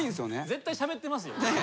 絶対しゃべってますよ。